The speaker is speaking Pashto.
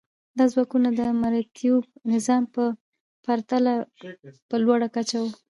دا ځواکونه د مرئیتوب نظام په پرتله په لوړه کچه وو.